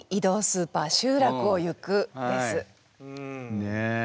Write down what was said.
ねえ。